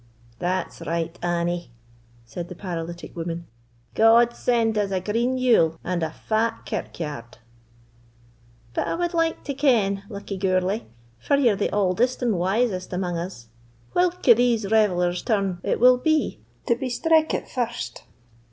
"That's right, Annie," said the paralytic woman; "God send us a green Yule and a fat kirkyard!" "But I wad like to ken, Luckie Gourlay, for ye're the auldest and wisest amang us, whilk o' these revellers' turn it will be to be streikit first?"